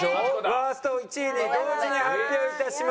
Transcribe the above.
ワースト１位２位同時に発表いたします。